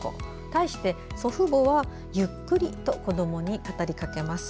対して祖父母は「ゆっくり」と子どもに語りかけます。